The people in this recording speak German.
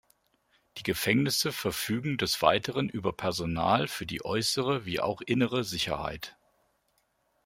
Die Gefängnisse verfügen des Weiteren über Personal für die äußere wie auch innere Sicherheit.